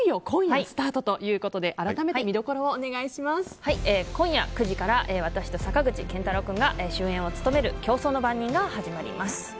そんなドラマが今夜スタートということで改めて見どころを今夜９時から私と坂口健太郎君が主演を務める「競争の番人」が始まります。